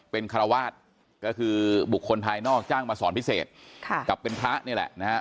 เป็นคารวาสก็คือบุคคลภายนอกจ้างมาสอนพิเศษค่ะกับเป็นพระนี่แหละนะฮะ